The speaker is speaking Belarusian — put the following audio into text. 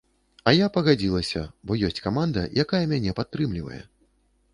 А я пагадзілася, бо ёсць каманда, якая мяне падтрымлівае.